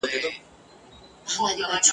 بیا به اورو له مطربه جهاني ستا غزلونه !.